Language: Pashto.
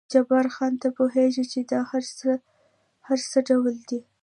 جبار خان، ته پوهېږې چې دا هر څه څه ډول دي؟